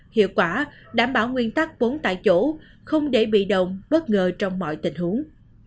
hiệu quả đảm bảo nguyên tắc bốn tại chỗ không để bị động bất ngờ trong mọi tình huống